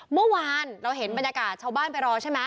เมื่อวานเราเห็นบรรยากาศชาวบ้านไปรอใช่ไหม